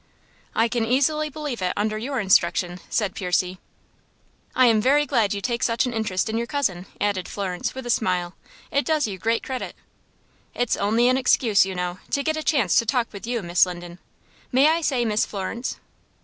"I can easily believe it, under your instruction," said Percy. "I am very glad you take such an interest in your cousin," added Florence, with a smile. "It does you great credit." "It's only an excuse, you know, to get a chance to talk with you, Miss Linden. May I say Miss Florence?"